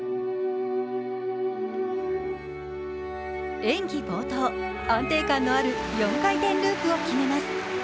演技冒頭、安定感のある４回転ループを決めます。